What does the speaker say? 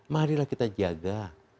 marilah kita jaga